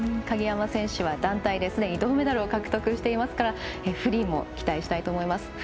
鍵山選手はすでに団体で銅メダルを獲得していますからフリーも期待したいと思います。